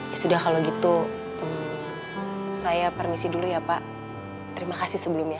ya sudah kalau gitu saya permisi dulu ya pak terima kasih sebelumnya